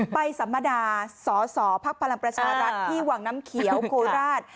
สัมมดาสอสอภักดิ์พลังประชารัฐที่วังน้ำเขียวโคราช